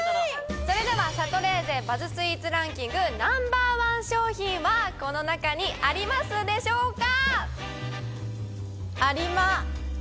それではシャトレーゼバズスイーツランキングＮｏ．１商品はこの中にありますでしょうか？